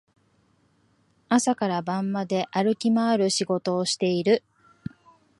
朝から晩まで歩き回る仕事をしている